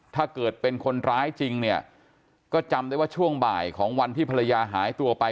ถ้าเกิดเป็นคนร้ายจริงเนี่ยก็จำได้ว่าช่วงบ่ายของวันที่ภรรยาหายตัวไป